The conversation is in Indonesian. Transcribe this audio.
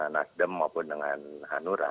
nasdem maupun dengan hanura